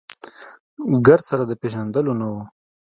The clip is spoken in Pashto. ګرد سره د پېژندلو نه و.